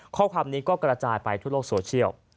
ข้อความนี้ก็กระจายไปทั่วโลกโซเชียล